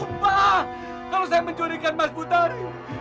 kalau saya mencuri ikan mas bu tarik